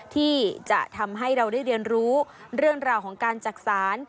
ที่จะทำให้เราได้เรียนรู้เรื่องราวของการจักษาน